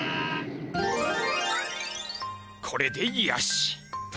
これでよし！